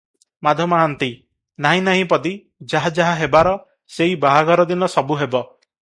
ମାଧ ମହାନ୍ତି-ନାହିଁ ନାହିଁ ପଦୀ, ଯାହା ଯାହା ହେବାର; ସେଇ ବାହାଘର ଦିନ ସବୁ ହେବ ।